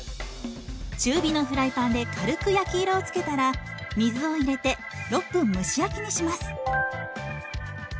中火のフライパンで軽く焼き色をつけたら水を入れて６分蒸し焼きにします。